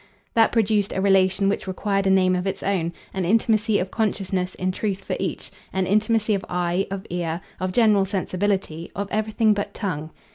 That produced a relation which required a name of its own, an intimacy of consciousness in truth for each an intimacy of eye, of ear, of general sensibility, of everything but tongue.